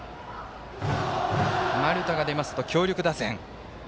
丸田が出ますと強力打線。